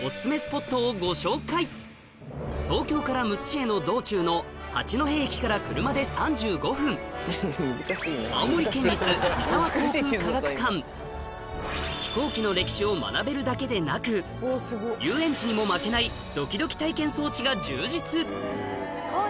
東京からむつ市への道中の八戸駅から車で３５分を学べるだけでなく遊園地にも負けないが充実